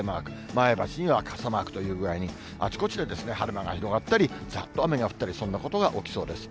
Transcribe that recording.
前橋には傘マークという具合に、あちこちで晴れ間が広がったり、ざっと雨が降ったり、そんなことが起きそうです。